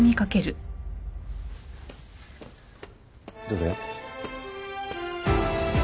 どれ？